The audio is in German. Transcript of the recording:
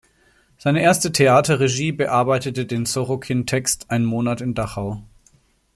Seine erste Theaterregie bearbeitete den Sorokin-Text "Ein Monat in Dachau".